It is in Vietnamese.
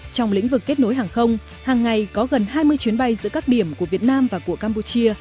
trong lĩnh vực kết nối hàng không hàng ngày có gần hai mươi chuyến bay giữa các điểm của việt nam và của campuchia